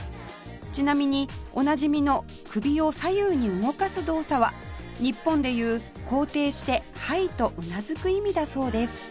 ちなみにおなじみの首を左右に動かす動作は日本でいう肯定して「はい」とうなずく意味だそうです